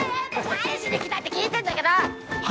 何しに来たって聞いてんだけど！